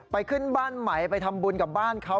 ขึ้นบ้านใหม่ไปทำบุญกับบ้านเขา